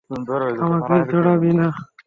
আমাকে জড়াবি না।